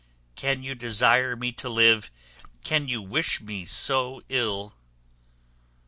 can you desire me to live? Can you wish me so ill?"